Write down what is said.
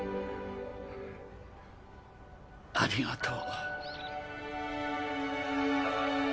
ありがとう。